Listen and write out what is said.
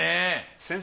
先生